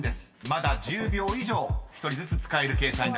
［まだ１０秒以上１人ずつ使える計算になります］